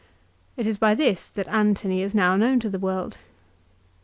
It is by this that Antony is now known to the world.